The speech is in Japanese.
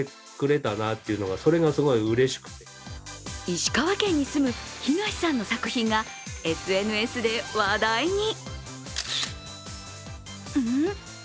石川県に住む東さんの作品がＳＮＳで話題に。